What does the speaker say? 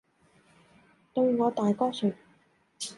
對我大哥說，